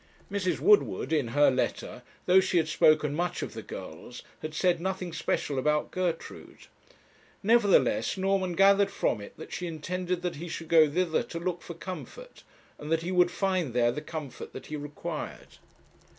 Mrs. Woodward, in her letter, though she had spoken much of the girls, had said nothing special about Gertrude. Nevertheless, Norman gathered from it that she intended that he should go thither to look for comfort, and that he would find there the comfort that he required.